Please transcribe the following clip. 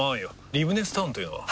リブネスタウンというのは？